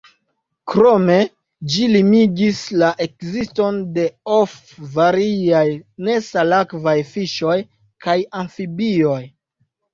Krome ĝi limigis la ekziston de of variaj nesalakvaj fiŝoj kaj amfibioj.